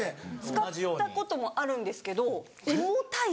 使ったこともあるんですけど重たいし。